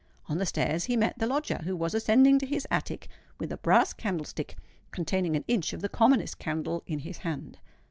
On the stairs he met the lodger, who was ascending to his attic, with a brass candlestick, containing an inch of the commonest candle, in his hand.